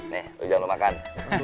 nih ustaz jangan lo makan